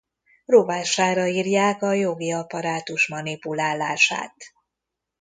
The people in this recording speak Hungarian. Rovására írják a jogi apparátus manipulálását.